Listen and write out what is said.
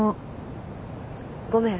ごめん。